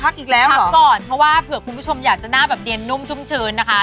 พักก่อนไหมคุณแม่พักก่อนเพื่อคุณผู้ชมอยากจะหน้าแบบเดนนุ่มชุ่มชื้นนะคะ